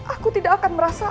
aku tidak akan merasa